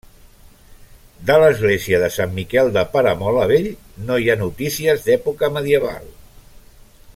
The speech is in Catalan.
De l'església de Sant Miquel de Peramola Vell no hi ha notícies d'època medieval.